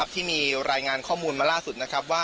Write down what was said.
ที่มีรายงานข้อมูลมาล่าสุด